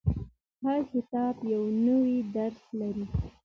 • هر کتاب یو نوی درس لري.